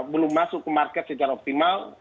belum masuk ke market secara optimal